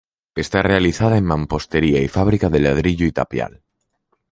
Está realizada en mampostería y fábrica de ladrillo y tapial.